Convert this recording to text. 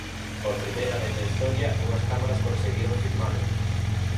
Por primeira vez na historia, unhas cámaras conseguiron filmalo.